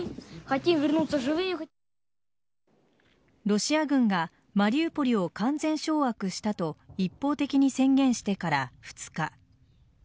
ロシア軍がマリウポリを完全掌握したと一方的に宣言してから２日。